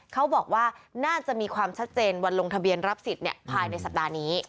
เขาบอกว่าน่าจะมีความชัดเจนวันลงทะเบียนรับสิทธิ์ภายในสัปดาห์นี้